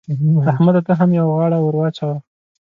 احمده! ته هم يوه غاړه ور واچوه.